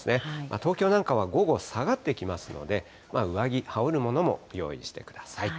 東京なんかは午後、下がってきますので、上着、羽織るものも用意してください。